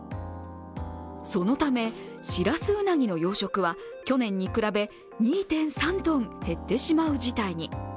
そのため、しらすうなぎの養殖は去年に比べ２．３ｔ減ってしまう事態に。